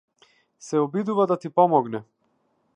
Се обидува да ти помогне.